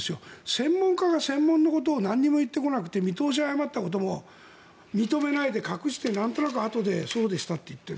専門家が専門のことを何も言ってこなくて見通しを誤ったことも認めないで隠して、なんとなくあとでそうでしたって言って。